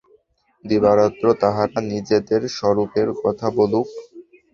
দিবারাত্র তাহারা নিজেদের স্বরূপের কথা বলুক।